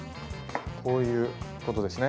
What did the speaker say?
こういうことですね？